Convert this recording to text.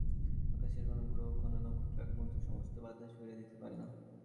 আকাশের কোনো গ্রহ, কোনো নক্ষত্র এক মুহূর্তে সমস্ত বাধা সরিয়ে দিতে পারে না?